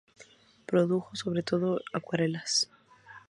Produjo sobre todo acuarelas.